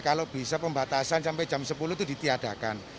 kalau bisa pembatasan sampai jam sepuluh itu ditiadakan